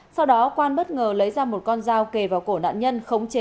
sau đó quan bất ngờ lấy ra một con dao kề vào cổ nạn nhân